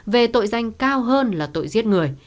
về tội danh cao hơn là tội giết người